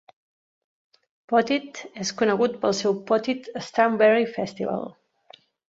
Poteet és conegut pel seu Poteet Strawberry Festival.